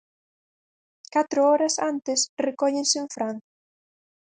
Catro horas antes recóllense en Francia.